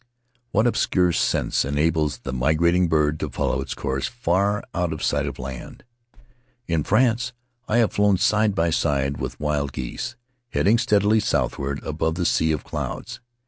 What obscure sense enables the migrating bird to follow its course far out of sight of land? In France, I have flown side by side with wild geese, heading steadily southward above a sea of clouds.